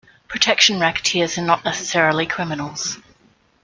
Protection racketeers are not necessarily criminals.